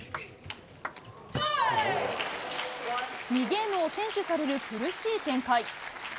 ２ゲームを先取される苦しい展開。